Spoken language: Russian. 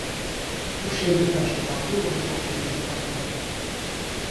Уж я не знаю, что там было, но его привезли как мертвого.